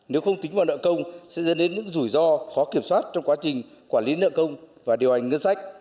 nếu không tính vào nợ công sẽ dẫn đến những rủi ro khó kiểm soát trong quá trình quản lý nợ công và điều hành ngân sách